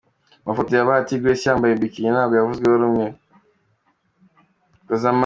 Amafoto ya Bahati Grace yambaye Bikini ntabwo yavuzweho rumwe.